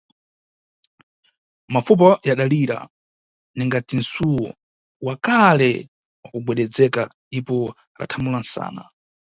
Mafupa yadalira ningati msuwo wa kale wakugwededzeka, ipo adathamula msana.